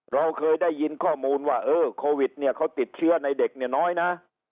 เราเคยได้ยินข้อมูลว่าเออโควิดเนี่ยเขาติดเชื้อในเด็กเนี่ยน้อยนะ